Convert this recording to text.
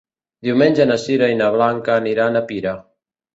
Diumenge na Sira i na Blanca aniran a Pira.